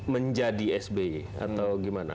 menjadi sby atau gimana